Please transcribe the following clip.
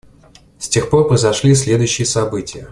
С тех пор произошли следующие события.